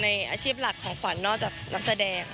อาชีพหลักของขวัญนอกจากนักแสดง